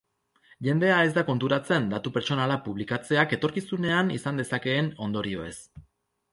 Jendea ez da konturatzen datu pertsonalak publikatzeak etorkizunean izan dezakeen ondorioez.